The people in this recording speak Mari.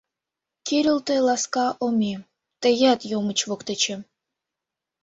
Кӱрылтӧ ласка омем, тыят Йомыч воктечем.